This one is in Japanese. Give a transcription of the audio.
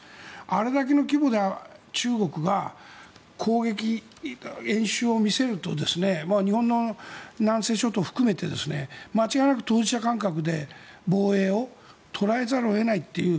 あれだけの中国が演習を見せると日本の南西諸島を含めて間違いなく当事者感覚で防衛を捉えざるを得ないという。